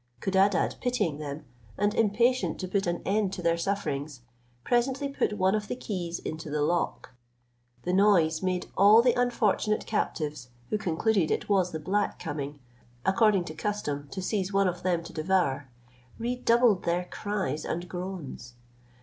Codadad pitying them, and impatient to put an end to their sufferings, presently put one of the keys into the lock. The noise made all the unfortunate captives, who concluded it was the black coming, according to custom, to seize one of them to devour, redouble their cries and groans.